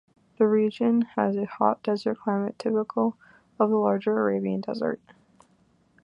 The region has a hot desert climate typical of the larger Arabian Desert.